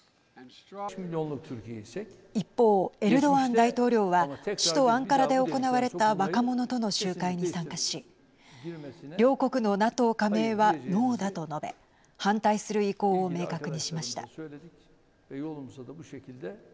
一方、エルドアン大統領は首都アンカラで行われた若者との集会に参加し両国のＮＡＴＯ加盟はノーだと述べ反対する意向を明確にしました。